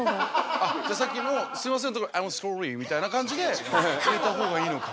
あっじゃあさっきの「すいません」とこ「アイムソーリー」みたいな感じで入れた方がいいのか。